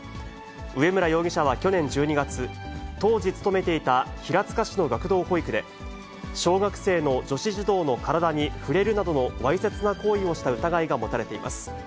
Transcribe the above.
植村容疑者は去年１２月、当時勤めていた平塚市の学童保育で、小学生の女子児童の体に触れるなどの、わいせつな行為をした疑いが持たれています。